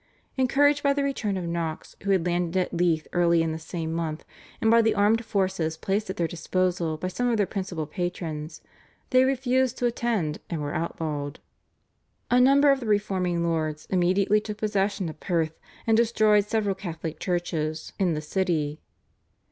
Encouraged by the return of Knox who had landed at Leith early in the same month, and by the armed forces placed at their disposal by some of their principal patrons, they refused to attend and were outlawed. A number of the reforming lords immediately took possession of Perth, and destroyed several Catholic churches in the city.